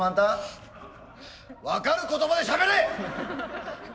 分かる言葉でしゃべれ！